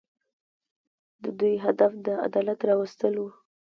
د دوی هدف د عدالت راوستل وو.